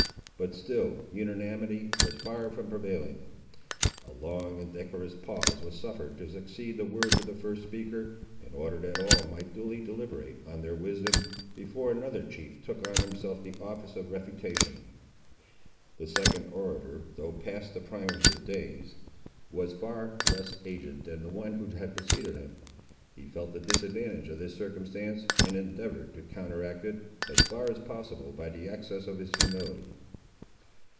But still unanimity was far from prevailing. A long and decorous pause was suffered to succeed the words of the first speaker, in order that all might duly deliberate on their wisdom, before another chief took on himself the office of refutation. The second orator, though past the prime of his days, was far less aged than the one who had preceded him. He felt the disadvantage of this circumstance, and endeavoured to counteract it, as far as possible, by the excess of his humility.